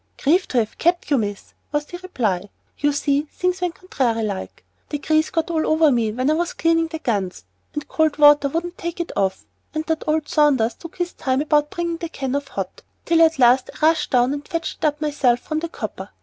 "Grieved to have kept you, Miss," was the reply. "You see, things went contrairy like. The grease got all over me when I was cleaning the guns, and cold water wouldn't take it off, and that old Saunders took his time about bringing the can of hot, till at last I rushed down and fetched it up myself from the copper.